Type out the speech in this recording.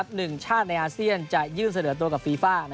หนึ่งชาติในอาเซียนจะยื่นเสนอตัวกับฟีฟ่า